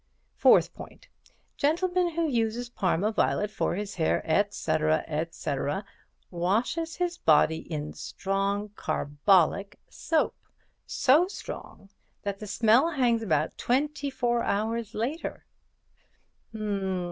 Fourth point: Gentleman who uses Parma violet for his hair, etc., etc., washes his body in strong carbolic soap—so strong that the smell hangs about twenty four hours later."